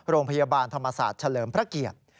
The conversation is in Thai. โรงพยาบาลธรรมศาสตร์เฉลิมพระเกียรติ